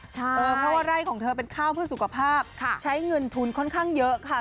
เพราะว่าไร่ของเธอเป็นข้าวเพื่อสุขภาพใช้เงินทุนค่อนข้างเยอะค่ะ